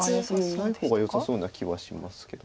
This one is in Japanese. ない方がよさそうな気はしますけど。